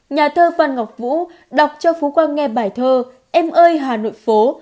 nhà thơ phan ngọc vũ đọc cho phú quang nghe bài thơ em ơi hà nội phố